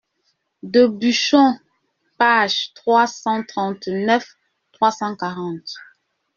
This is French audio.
de Buchon, pages trois cent trente-neuf, trois cent quarante.